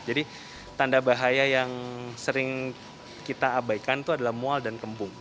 jadi tanda bahaya yang sering kita abaikan itu adalah mual dan kembung